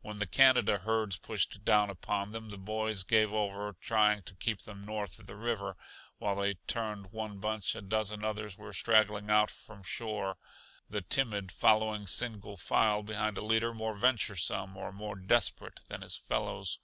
When the Canada herds pushed down upon them the boys gave over trying to keep them north of the river; while they turned one bunch a dozen others were straggling out from shore, the timid following single file behind a leader more venturesome or more desperate than his fellows.